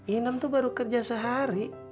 inam itu baru kerja sehari